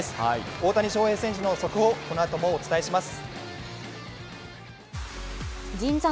大谷翔平選手の速報、このあともお伝えします。